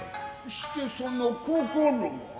してその心は。